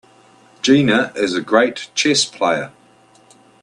Gina is a great chess player.